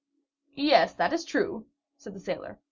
"Yes, that is true," said the sailor.